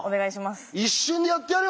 一瞬でやってやるよ